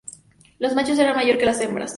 Los machos eran mayores que las hembras.